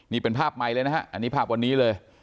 นี่เป็นภาพใหม่เลยนะฮะอันนี้ภาพวันนี้เลย